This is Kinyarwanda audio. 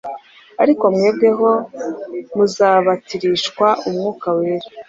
ariko mwebweho muzabatirishwa Umwuka Wera.’